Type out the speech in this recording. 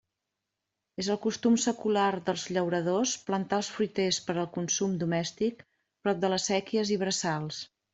És el costum secular dels llauradors plantar els fruiters per al consum domèstic prop de les séquies i braçals.